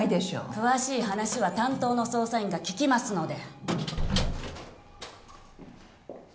詳しい話は担当の捜査員が聞きますので。